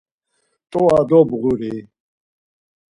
T̆ua dobğuri.